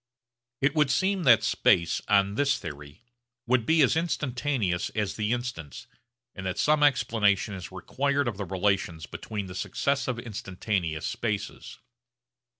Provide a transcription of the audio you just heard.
It would seem that space on this theory would be as instantaneous as the instants, and that some explanation is required of the relations between the successive instantaneous spaces.